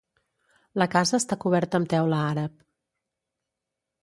La casa està coberta amb teula àrab.